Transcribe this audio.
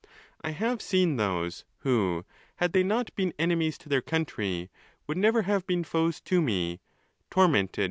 I have seen those, who, had they not been enemies to their country, would never have been foes to me, tormented.